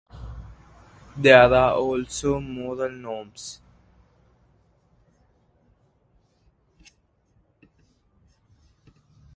There are also moral norms.